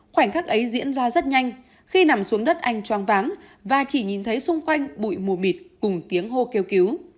khoảnh khắc ấy diễn ra rất nhanh khi nằm xuống đất anh choáng váng và chỉ nhìn thấy xung quanh bụi mù mịt cùng tiếng hô kêu cứu